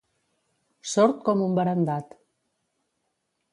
Sord com un barandat.